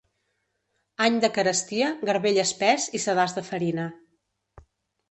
Any de carestia, garbell espès i sedàs de farina.